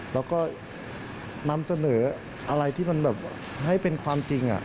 แล้วก็นำเสนออะไรที่มันแบบให้เป็นความจริง